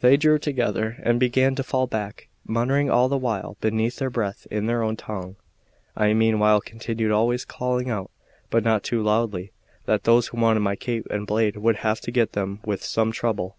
They drew together and began to fall back, muttering all the while beneath their breath in their own tongue. I meanwhile continued always calling out, but not too loudly, that those who wanted my cape and blade would have to get them with some trouble.